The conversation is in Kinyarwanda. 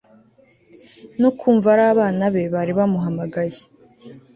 no kumva ari abana be bari bamuhamagaye